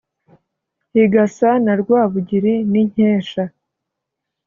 igasa na rwabugiri n' inkesha